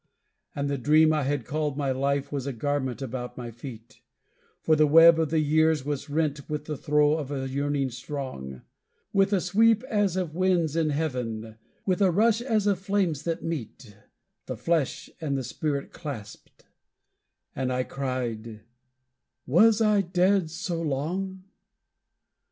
And the dream I had called my life was a garment about my feet, For the web of the years was rent with the throe of a yearning strong. With a sweep as of winds in heaven, with a rush as of flames that meet, The Flesh and the Spirit clasped; and I cried, "Was I dead so long?"